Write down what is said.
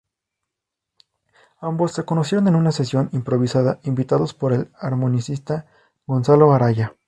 Ambos se conocieron en una sesión improvisada, invitados por el armonicista Gonzalo Araya.